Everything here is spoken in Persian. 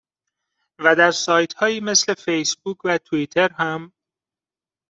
و در سایت هایی مثل فیس بوک و تویتتر هم